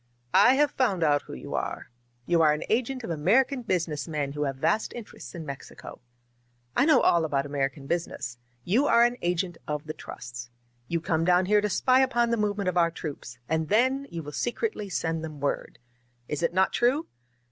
"I have found out who you are. You are an agent of American business men who have vast interests in Mex ico. I know all about American business. You are an agent of the trusts. You come down here to spy upon the movement of our troops, and then you will se cretly send them word. Is it not true?"